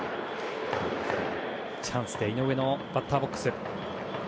チャンスで井上のバッターボックス。